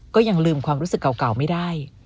ก็ยังลืมความรู้สึกเก่าไม่ได้